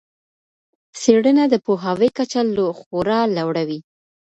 څېړنه د پوهاوي کچه خورا لوړوي.